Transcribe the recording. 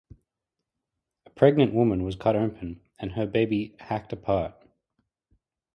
A pregnant women was cut open, and her baby hacked apart.